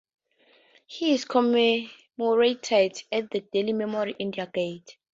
He is commemorated at the Delhi memorial India Gate.